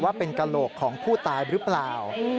ว่าเป็นกระโหลกของผู้ตายหรือเปล่า